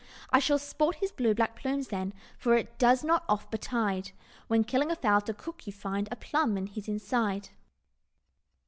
I shall sport his blue black plumes then, For it does not oft betide, When killing a fowl to cook, you find A plum in his inside."